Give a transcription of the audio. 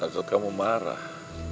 takut kamu marah